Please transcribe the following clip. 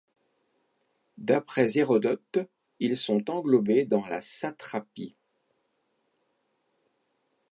D'après Hérodote, ils sont englobés dans la satrapie.